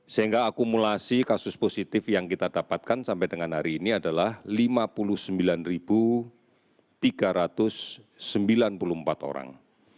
sehingga akumulasi kasus positif yang kita dapatkan sampai dengan hari ini adalah lima puluh sembilan tiga ratus sembilan puluh empat orang